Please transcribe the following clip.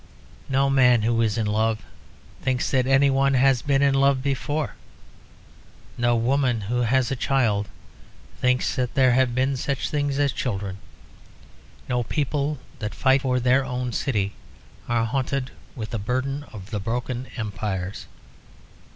No man who is in love thinks that any one has been in love before. No woman who has a child thinks that there have been such things as children. No people that fight for their own city are haunted with the burden of the broken empires.